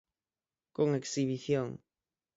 Con exhibición.